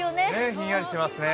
ひんやりしていますね。